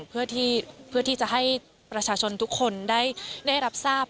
เพื่อที่จะให้ประชาชนทุกคนได้รับทราบ